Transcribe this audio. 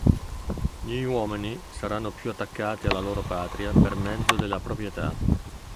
Gli uomini saranno più attaccati alla loro patria per mezzo della proprietà".